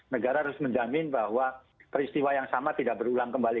negara harus menjamin bahwa peristiwa yang sama tidak berulang kembali